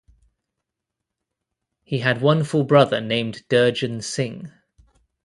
He had one full brother named Durjan Singh.